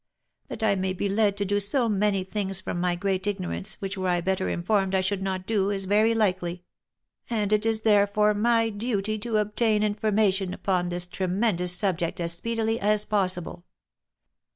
That I may be led to do many things from my great ignorance, which were I better informed I should not do, is very likely; and it is therefore my duty to obtain information upon this tremendous subject as speedily as possible.